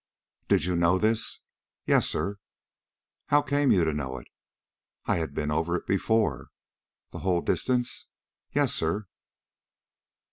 "Did you know this?" "Yes, sir." "How came you to know it?" "I had been over it before." "The whole distance?" "Yes, sir."